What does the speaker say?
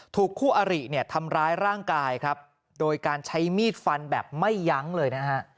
คู่อริเนี่ยทำร้ายร่างกายครับโดยการใช้มีดฟันแบบไม่ยั้งเลยนะฮะ